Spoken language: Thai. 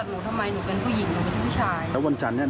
ตอนแรกคุณแม่เขาโทรมา